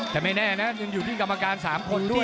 แต่ไม่แน่นะยังอยู่ที่กรรมการ๓คนด้วย